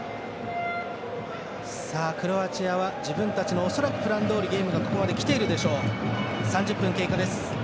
クロアチアは自分たちの恐らくプランどおりここまでゲームがきているでしょう。